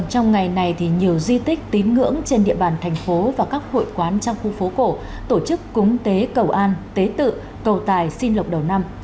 trong ngày này thì nhiều di tích tín ngưỡng trên địa bàn thành phố và các hội quán trong khu phố cổ tổ chức cúng tế cầu an tế tự cầu tài xin lộc đầu năm